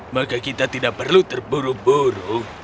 maka kita tidak perlu terburu buru